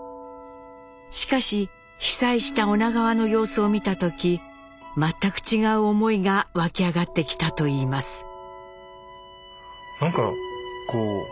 しかし被災した女川の様子を見た時全く違う思いが湧き上がってきたといいます。